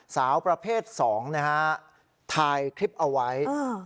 สาวประเภทสองนะฮะถ่ายคลิปเอาไว้